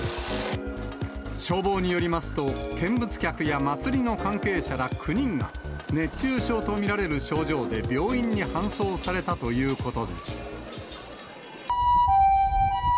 消防によりますと、見物客や祭りの関係者ら９人が、熱中症と見られる症状で病院に搬送されたということです。